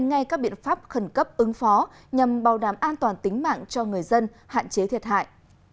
ngay các biện pháp khẩn cấp ứng phó nhằm bảo đảm an toàn tính mạng cho người dân hạn chế thiệt hại